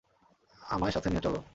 আমায় সাথে নিয়ে চলো।